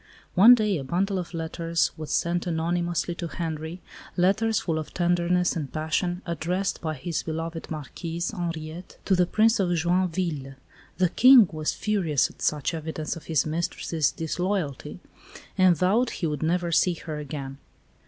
One day a bundle of letters was sent anonymously to Henri, letters full of tenderness and passion, addressed by his beloved Marquise, Henriette, to the Prince de Joinville. The King was furious at such evidence of his mistress's disloyalty, and vowed he would never see her again.